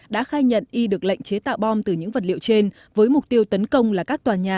đã khai nhận y được lệnh chế tạo bom từ những vật liệu trên với mục tiêu tấn công là các tòa nhà